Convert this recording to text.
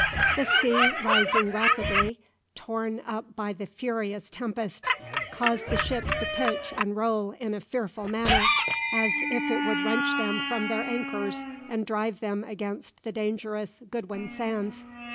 The sea rising rapidly, torn up by the furious tempest, caused the ships to pitch and roll in a fearful manner, as if it would wrench them from their anchors and drive them against the dangerous Goodwin Sands.